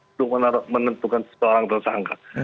untuk menentukan seseorang tersangka